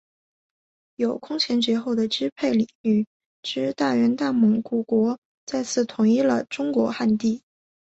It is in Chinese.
有空前绝后的支配领域之大元大蒙古国再次统一了中国汉地。